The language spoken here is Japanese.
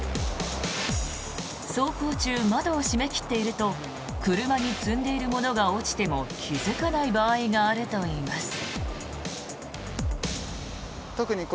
走行中、窓を閉め切っていると車に積んでいるものが落ちても気付かない場合があるといいます。